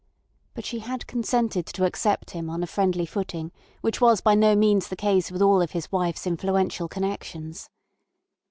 But she had consented to accept him on a friendly footing, which was by no means the case with all of his wife's influential connections.